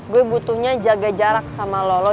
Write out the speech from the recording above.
gue butuhnya jaga jarak sama lolo